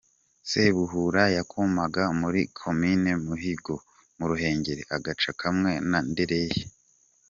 Sebuhura yakomokaga muri Komine Mukingo mu Ruhengeri, agace kamwe na Ndereyehe.